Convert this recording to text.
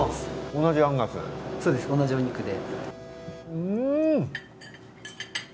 同じお肉で。